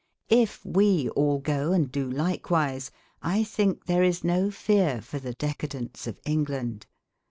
If we all go and do likewise, I think there is no fear for the decadence of England.